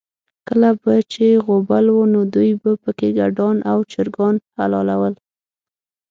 کله به چې غوبل و، نو دوی به پکې ګډان او چرګان حلالول.